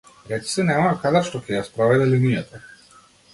Речиси немаме кадар што ќе ја спроведе линијата.